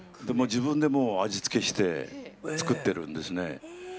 自分でもう味付けして作ってるんですね。